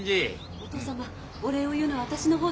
お義父様お礼を言うのは私の方です。